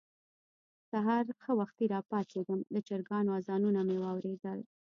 سهار ښه وختي راپاڅېدم، د چرګانو اذانونه مې واورېدل.